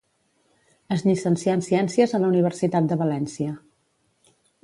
Es llicencià en ciències a la Universitat de València.